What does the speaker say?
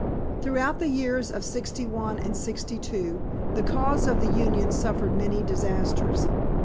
Throughout the years of '61 and '62 the cause of the Union suffered many disasters.